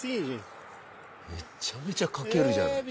めちゃめちゃかけるじゃない。